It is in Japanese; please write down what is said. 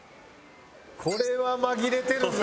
これは紛れてるぞ。